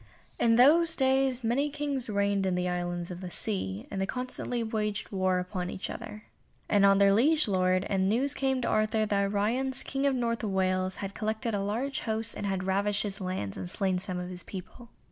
In those days many Kings reigned in the Islands of the Sea, and they constantly waged war upon each other, and on their liege lord, and news came to Arthur that Ryons, King of North Wales, had collected a large host and had ravaged his lands and slain some of his people.